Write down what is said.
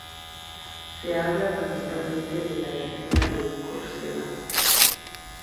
Se habla principalmente en la isla de Córcega.